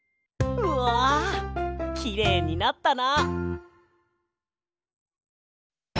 うわきれいになったな！